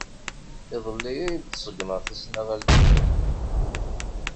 Iḍelli ay d-ṣeggmeɣ tasnasɣalt-inu.